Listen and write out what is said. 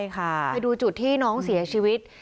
ไปดูจุดที่น้องเสียชีวิต